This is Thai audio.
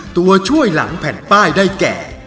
ตัวช่วยหลังแผ่นป้ายได้แก่